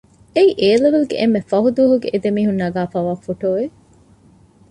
އެއީ އޭލެވެލް ގެ އެންމެ ފަހު ދުވަހު އެ ދެމީހުން ނަގާފައިވާ ފޮޓޯއެއް